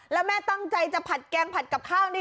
แล้วแม่ตั้งใจจะผัดแกงผัดกับข้าวนี่